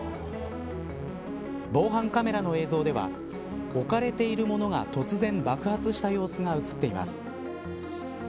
防犯カメラの映像では置かれているものが突然爆発した様子が映っています。